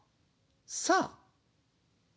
「さあ」？